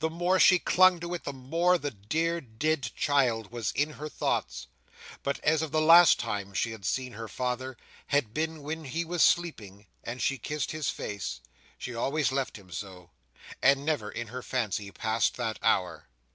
The more she clung to it, the more the dear dead child was in her thoughts: but as if the last time she had seen her father, had been when he was sleeping and she kissed his face, she always left him so, and never, in her fancy, passed that hour.